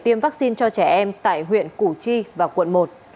tiêm vaccine cho trẻ em tại huyện củ chi và quận một